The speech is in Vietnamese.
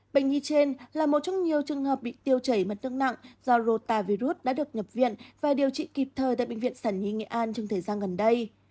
bệnh nhi trên là một trong nhiều trường hợp bị tiêu chảy mất nước nặng do rotavirus đã được nhập viện và điều trị kịp thời tại bệnh viện sản nhi nghệ an trong thời gian gần đây